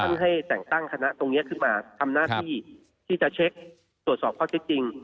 ให้แต่งตั้งคณะตรงนี้ขึ้นมาทำหน้าที่ที่จะเช็คตรวจสอบข้อเท็จจริง